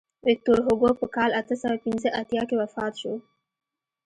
ویکتور هوګو په کال اته سوه پنځه اتیا کې وفات شو.